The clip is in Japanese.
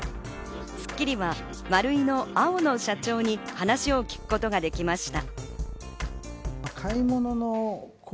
『スッキリ』はマルイの青野社長に話を聞くことができました。